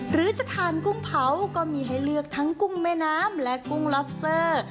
หรือจะทานกุ้งเผาก็มีให้เลือกทั้งกุ้งแม่น้ำและกุ้งล็อบสเตอร์